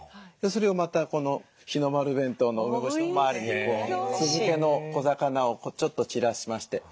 それをまたこの「日の丸弁当」の梅干しの周りに酢漬けの小魚をちょっと散らしまして。